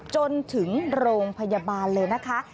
จนถึงโรงพยาบาลเลยนะคะ